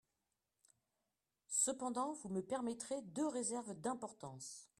Cependant, vous me permettrez deux réserves d’importance.